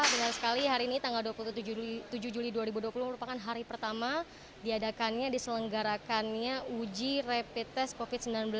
benar sekali hari ini tanggal dua puluh tujuh juli dua ribu dua puluh merupakan hari pertama diadakannya diselenggarakannya uji rapid test covid sembilan belas